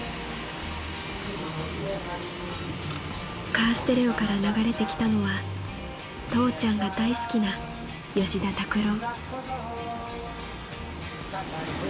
［カーステレオから流れてきたのは父ちゃんが大好きな吉田拓郎］